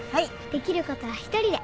できることは一人で。